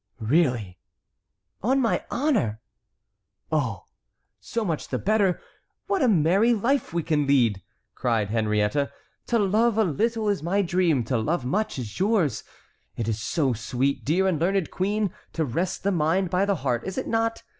"Really?" "On my honor!" "Oh! so much the better! What a merry life we can lead!" cried Henriette. "To love a little is my dream; to love much, is yours. It is so sweet, dear and learned queen, to rest the mind by the heart, is it not?